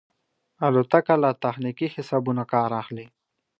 الوتکه له تخنیکي حسابونو کار اخلي.